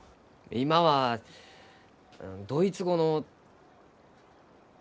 今はドイツ語の。